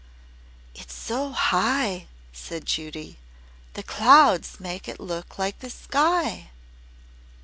"It's so high," said Judy. "Those clouds make it look like the sky."